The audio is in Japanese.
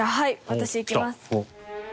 私、いきます。